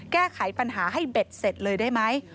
แก้ไขปัญหาให้เบ็ดเสร็จเลยได้ไหม